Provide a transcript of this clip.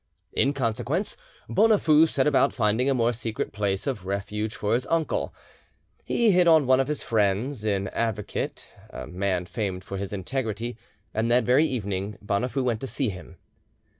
In consequence, Bonafoux set about finding a more secret place of refuge for his uncle. He hit on one of his friends, an avocat, a man famed for his integrity, and that very evening Bonafoux went to see him.